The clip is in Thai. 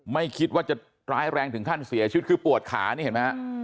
ไม่คิดว่าจะร้ายแรงถึงขั้นเสียชีวิตคือปวดขานี่เห็นไหมฮะ